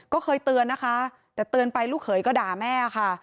ก็เคยเตือนนะคะแต่เตือนไปลูกเขยก็ด่าแม่ค่ะ